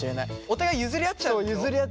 お互い譲り合っちゃうんでしょ？